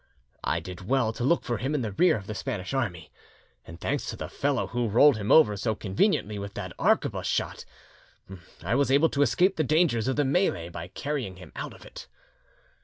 I did well to look for him in the rear of the Spanish army, and, thanks to the fellow who rolled him over so conveniently with that arquebus shot; I was able to escape the dangers of the melee by carrying him out of it."